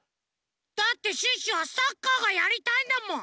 だってシュッシュはサッカーがやりたいんだもん！